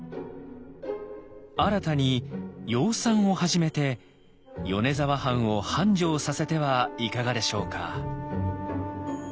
「新たに養蚕を始めて米沢藩を繁盛させてはいかがでしょうか」。